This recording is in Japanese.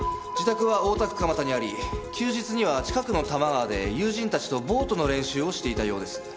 自宅は大田区蒲田にあり休日には近くの多摩川で友人たちとボートの練習をしていたようです。